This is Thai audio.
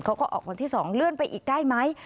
เขาก็ออกวันที่๒เลื่อนไปอีกได้ไหม